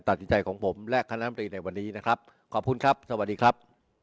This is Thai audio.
ตัดสินใจของผมและคณะมตรีในวันนี้นะครับขอบคุณครับสวัสดีครับ